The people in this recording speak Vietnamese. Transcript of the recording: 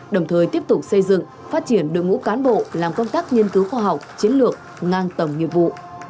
đồng thời tiếp tục xây dựng phát triển đội ngũ cán bộ làm công tác nghiên cứu khoa học chiến lược ngang tầm nhiệm vụ